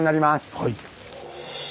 はい。